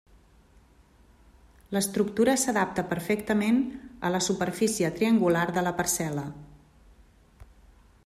L'estructura s'adapta perfectament a la superfície triangular de la parcel·la.